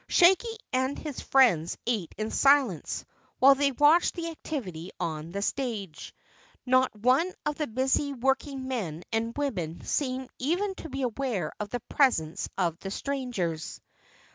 Shaggy and his friends ate in silence while they watched the activity on the stage. Not one of the busily working men and women seemed even to be aware of the presence of the strangers.